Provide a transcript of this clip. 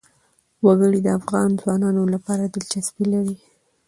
وګړي د افغان ځوانانو لپاره دلچسپي لري.